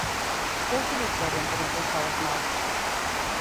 Què utilitza el vent per impulsar les naus?